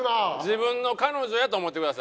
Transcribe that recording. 自分の彼女やと思ってください。